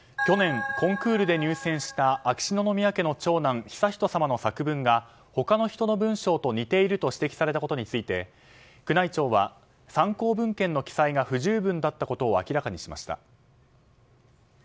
去年コンクールで入選した秋篠宮家の長男・悠仁さまの作文が他の人の文章と似ていると指摘されたことについて宮内庁は参考文献の記載が不十分だったことを明らかにしました。